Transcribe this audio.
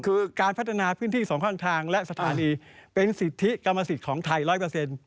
บทการพัฒนาพื้นที่๒ก้อนทางและสถานีเป็นศิษย์ธิกรรมศิษย์ของไทย๑๐๐